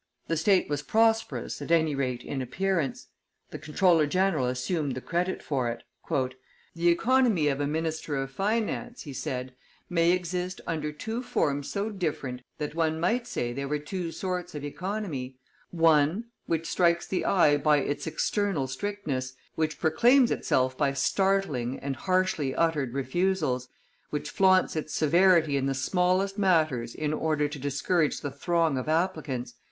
The state was prosperous, at any rate in appearance; the comptroller general assumed the credit for it. "The economy of a minister of finance," he said, "may exist under two forms so different that one might say they were two sorts of economy: one, which strikes the eye by its external strictness, which proclaims itself by startling and harshly uttered refusals, which flaunts its severity in the smallest matters in order to discourage the throng of applicants.